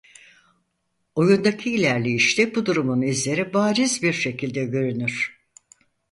Oyundaki ilerleyişte bu durumun izleri bariz bir şekilde görünür.